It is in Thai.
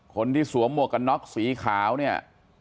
คนที่สวมมวกกับน็อคสีขาวเนี่ย